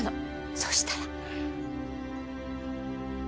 そしたら。